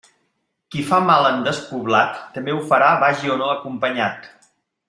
Qui fa mal en despoblat, també ho farà vagi o no acompanyat.